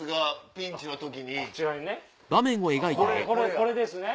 これですね。